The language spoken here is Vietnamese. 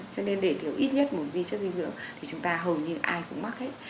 cho nên để thiếu ít nhất một vi chất dinh dưỡng thì chúng ta hầu như ai cũng mắc hết